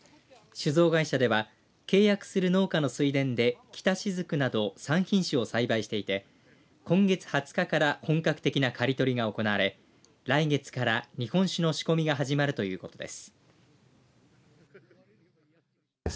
酒造会社では契約する農家の水田できたしずくなど３品種を栽培していて今月２０日から本格的な刈り取りが行われ来月から日本酒の仕込みが始まるということです。